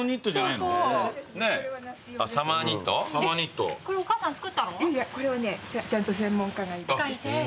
いやいやこれはねちゃんと専門家が。